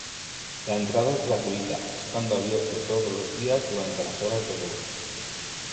La entrada es gratuita, estando abierto todos los días durante las horas de luz.